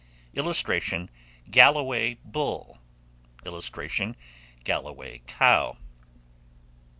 [Illustration: GALLOWAY BULL.] [Illustration: GALLOWAY COW.